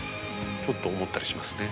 ちょっと思ったりしますね。